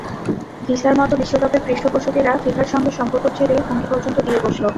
ভিসার মতো বিশ্বকাপের পৃষ্ঠপোষকেরা ফিফার সঙ্গে সম্পর্কচ্ছেদের হুমকি পর্যন্ত দিয়ে বসল।